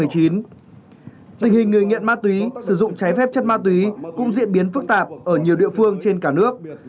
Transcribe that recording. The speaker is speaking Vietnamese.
tình hình người nghiện ma túy sử dụng trái phép chất ma túy cũng diễn biến phức tạp ở nhiều địa phương trên cả nước